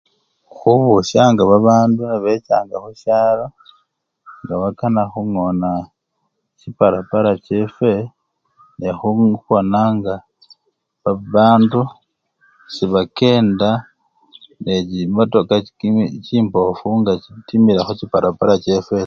Khubusyanga babandu nebechanga khusyalo ngabakana khungona chiparapara chefwe nekhubona nga babandu sebakenda nechimotoka chimbofu nga chitimila khuchiparapara chefwe taa.